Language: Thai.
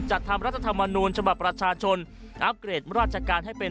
ทำรัฐธรรมนูญฉบับประชาชนอัพเกรดราชการให้เป็น